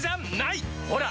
ほら！